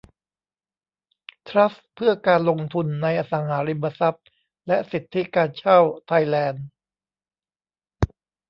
ทรัสต์เพื่อการลงทุนในอสังหาริมทรัพย์และสิทธิการเช่าไทยแลนด์